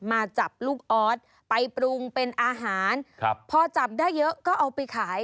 มาจับลูกออสไปปรุงเป็นอาหารครับพอจับได้เยอะก็เอาไปขาย